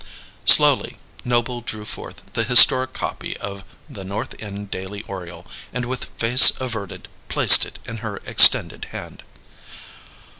Slowly Noble drew forth the historic copy of The North End Daily Oriole; and with face averted, placed it in her extended hand.